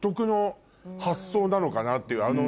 なのかなっていうあの。